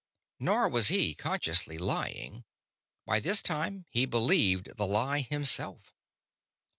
Nor was he, consciously, lying: by this time he believed the lie himself.